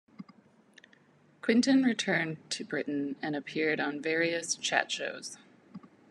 Quinten returned to Britain and appeared on various chat shows.